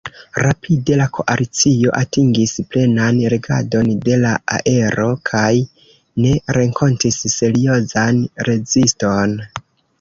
Rapide la koalicio atingis plenan regadon de la aero kaj ne renkontis seriozan reziston.